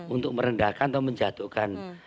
untuk merendahkan atau menjatuhkan